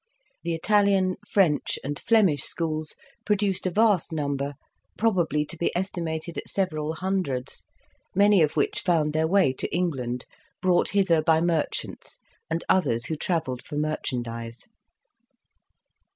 The Italian, French, and Flemish schools produced a vast number, probably to be estimated at several hundreds, many of which found their way to England, brought hither by merchants and others who travelled for merchandise.